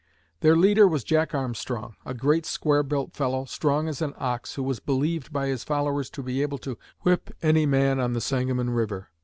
Their leader was Jack Armstrong, a great square built fellow, strong as an ox, who was believed by his followers to be able to whip any man on the Sangamon river.